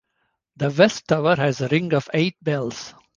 The west tower has a ring of eight bells.